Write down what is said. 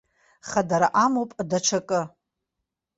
Хадара амоуп даҽакы.